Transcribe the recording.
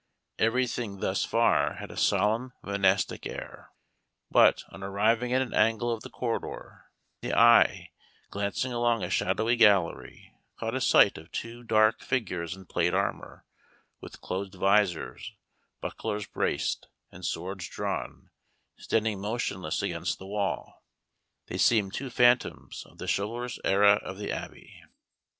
Everything thus far had a solemn monastic air; but, on arriving at an angle of the corridor, the eye, glancing along a shadowy gallery, caught a sight of two dark figures in plate armor, with closed visors, bucklers braced, and swords drawn, standing motionless against the wall. They seemed two phantoms of the chivalrous era of the Abbey.